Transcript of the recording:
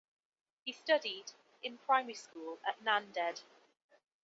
He studied in primary school at Nanded.